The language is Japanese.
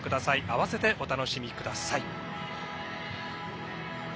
合わせてお楽しみください。